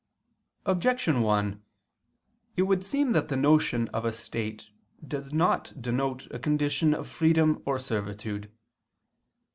Objection 1: It would seem that the notion of a state does not denote a condition of freedom or servitude.